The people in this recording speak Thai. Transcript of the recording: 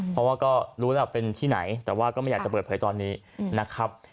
เพราะว่าก็รู้แล้วเป็นที่ไหนแต่ว่าก็ไม่อยากจะเปิดเผยตอนนี้นะครับ